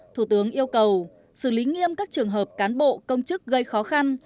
thủ tướng yêu cầu xử lý nghiêm các trường hợp cán bộ công chức gây khó khăn